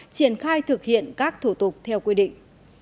triển khai thực hiện các thủ tục theo quy định